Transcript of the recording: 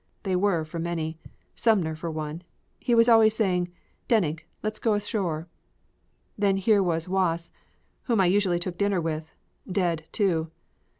They were for many. Sumner, for one. He was always saying, "Denig, let's go ashore!" Then here was Wass, whom I usually took dinner with dead, too.